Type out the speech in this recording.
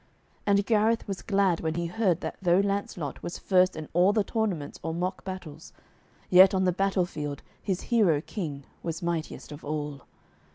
And Gareth was glad when he heard that though Lancelot was first in all the tournaments or mock battles, yet on the battle field his hero King was mightiest of all.